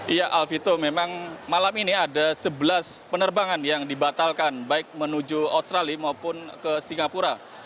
iya alfito memang malam ini ada sebelas penerbangan yang dibatalkan baik menuju australia maupun ke singapura